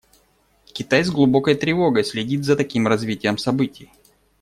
Китай с глубокой тревогой следит за таким развитием событий.